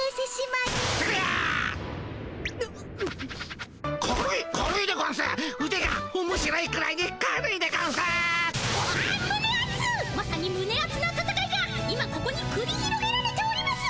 まさにむねあつなたたかいが今ここにくり広げられております！